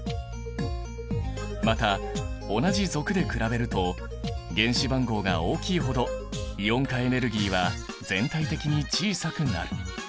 また同じ族で比べると原子番号が大きいほどイオン化エネルギーは全体的に小さくなる。